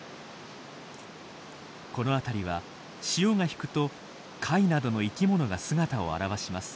この辺りは潮が引くと貝などの生きものが姿を現します。